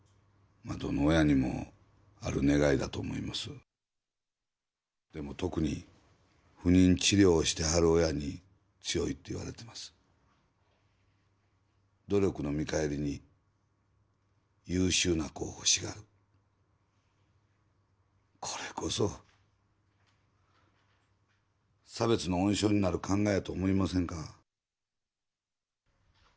まあどの親にもある願いだと思いますでも特に不妊治療をしてはる親に強いと言われてます努力の見返りに優秀な子を欲しがるこれこそ差別の温床になる考えやと思いませんか？